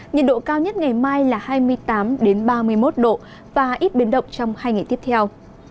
nhiệt độ cao nhất ngày mai là hai mươi tám ba mươi một độ và ít biến động trong hai ngày tiếp theo